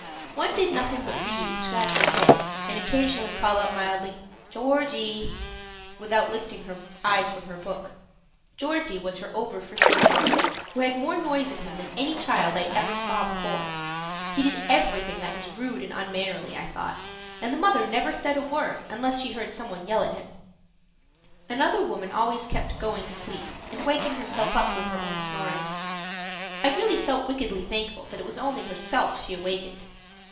One did nothing but read and scratch her head and occasionally call out mildly, "Georgie," without lifting her eyes from her book. "Georgie" was her over frisky boy, who had more noise in him than any child I ever saw before. He did everything that was rude and unmannerly, I thought, and the mother never said a word unless she heard some one else yell at him. Another woman always kept going to sleep and waking herself up with her own snoring. I really felt wickedly thankful it was only herself she awakened.